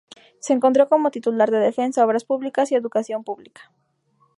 Se encontró como titular de defensa, obras públicas y educación publica.